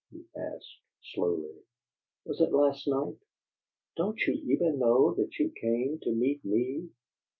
he asked, slowly. "Was it last night?" "Don't you even know that you came to meet me?"